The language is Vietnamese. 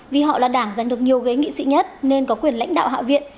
vì họ là đảng giành được nhiều ghế nghị sĩ nhất nên có quyền lãnh đạo hạ viện